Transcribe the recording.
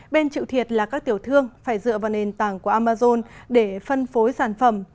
bên chịu thiệt là các tiểu thương phải dựa vào nền tảng của amazon để phân phối sản phẩm